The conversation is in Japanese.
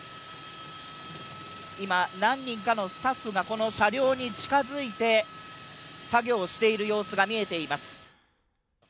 今、何人かのスタッフがこの車両に近づいて作業する様子が見えています。